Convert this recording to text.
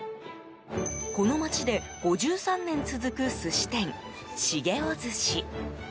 この街で５３年続く寿司店しげ老鮨。